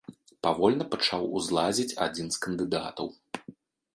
Павольна пачаў узлазіць адзін з кандыдатаў.